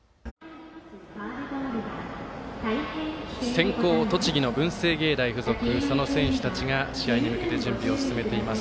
先攻、栃木の文星芸大付属その選手たちが試合に向けて準備を進めています。